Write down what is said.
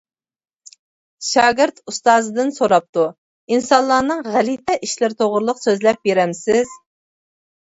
شاگىرت ئۇستازىدىن سوراپتۇ: «ئىنسانلارنىڭ غەلىتە ئىشلىرى توغرىلىق سۆزلەپ بېرەمسىز؟ ».